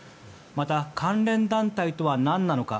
また、関連団体とは何なのか。